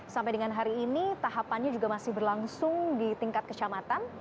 sampai dengan hari ini tahapannya juga masih berlangsung di tingkat kecamatan